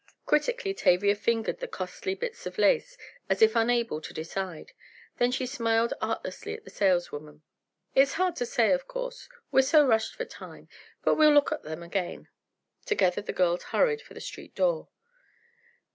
Critically Tavia fingered the costly bits of lace, as if unable to decide. Then she smiled artlessly at the saleswoman. "It's hard to say, of course, we're so rushed for time, but we'll look at them again." Together the girls hurried for the street door.